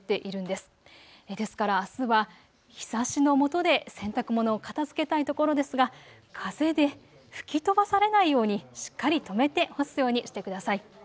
ですからあすは日ざしのもとで洗濯物を片づけたいところですが、風で吹き飛ばされないようにしっかり留めて干すようにしてください。